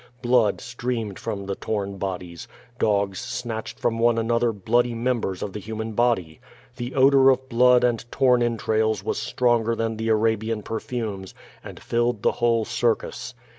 Blood streamed from the torn bodies. Dogs snatched from one another bloody members of the human body. The odor of blood and torn entrails was stronger than the Arabian perfumes, and filled the whole circus.